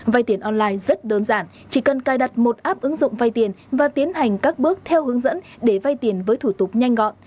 vay tiền online rất đơn giản chỉ cần cài đặt một app ứng dụng vay tiền và tiến hành các bước theo hướng dẫn để vay tiền với thủ tục nhanh gọn